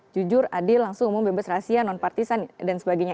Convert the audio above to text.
jujur adil langsung umum bebas rahasia nonpartisan dan sebagainya